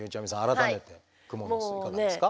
改めてクモの巣いかがですか？